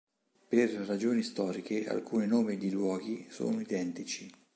Per ragioni storiche, alcuni nomi di luoghi sono identici.